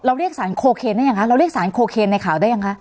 เรียกสารโคเคนได้ยังคะเราเรียกสารโคเคนในข่าวได้ยังคะ